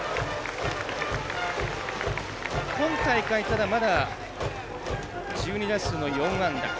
今大会からまだ１２打数の４安打。